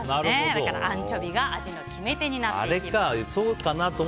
だからアンチョビが味の決め手になっていると。